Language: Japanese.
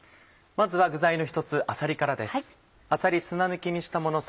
まずは具材の一つあさりからです。